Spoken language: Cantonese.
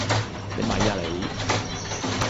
你咪呀你